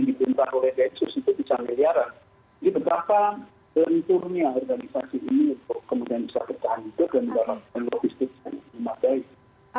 untuk kemudian bisa kegantungan logistik dan lain lain